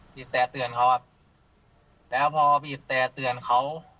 บีบแต่เตือนเขาอ่ะแล้วพอบีบแต่เตือนเขา